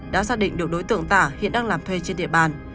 đã xác định được đối tượng tả hiện đang làm thuê trên địa bàn